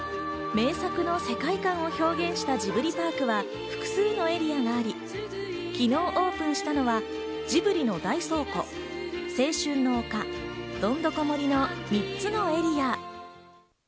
名作の世界観を表現したジブリパークは、複数のエリアがあり、昨日オープンしたのはジブリの大倉庫、青春の丘、どんどこ森の３つのエリア。